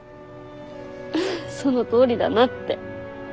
そのとおりだなって。